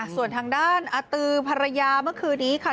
ส่วนทางด้านอาตือภรรยาเมื่อคืนนี้ค่ะ